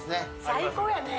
最高やね